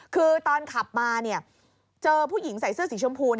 คือตอนขับมาเจอผู้หญิงใส่เสื้อสีชมพู